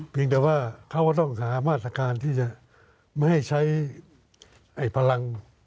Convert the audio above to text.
เพียงแต่ว่าเขาก็ต้องสามารถการที่จะไม่ให้ใช้พลัง